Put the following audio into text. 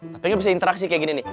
tapi gak bisa interaksi kayak gini nih